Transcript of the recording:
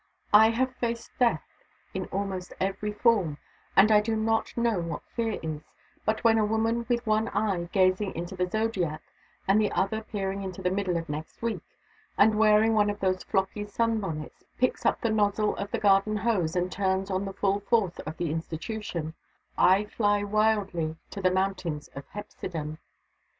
I have faced death in almost every form, and I do not know what fear is, but when a woman with one eye gazing into the zodiac and the other peering into the middle of next week, and wearing one of those floppy sun bonnets, picks up the nozzle of the garden hose and turns on the full force of the institution, I fly wildly to the Mountains of Hepsidam.